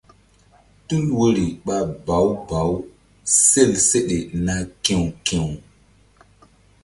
Tul woyri ɓa bawu bawu sel seɗe na ki̧w ki̧w.